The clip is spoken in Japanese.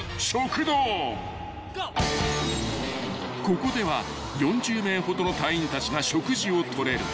［ここでは４０名ほどの隊員たちが食事を取れる］